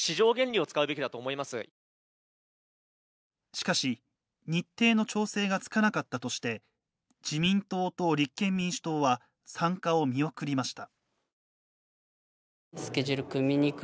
しかし、日程の調整がつかなかったとして自民党と立憲民主党は参加を見送りました。